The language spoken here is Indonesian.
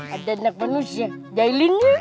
ada anak manusia dahil ini